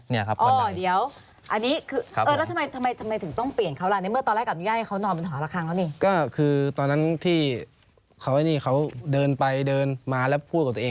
เป็นคนเอาเพื่อสลามคืนได้และเพื่อนอน